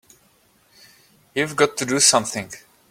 You've got to do something!